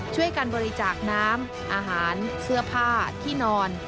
ช่วยการบริจาคน้ำอาหารเสื้อผ้าที่นอน